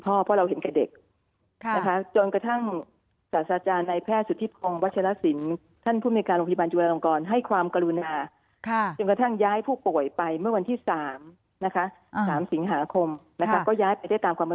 เพราะเราเห็นกับเด็กจนกระทั่งศาสตราจารย์นายแพทย์สุธิพรงค์วัชละศิลป์